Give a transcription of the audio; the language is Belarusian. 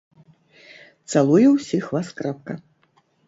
Цалую ўсіх вас крэпка.